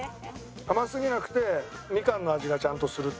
甘すぎなくてみかんの味がちゃんとするっていう。